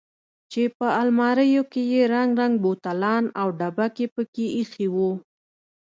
چې په الماريو کښې يې رنګ رنګ بوتلان او ډبکې پکښې ايښي وو.